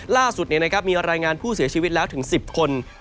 ล่าสุดมีรายงานผู้เสียชีวิตแล้วถึง๑๐คน